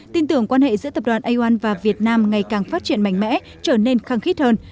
tin tưởng quan hệ giữa tập đoàn aom và việt nam ngày càng phát triển mạnh mẽ trở nên khăng khít hơn